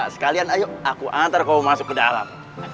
sekalian ayo aku antar kau masuk ke dalam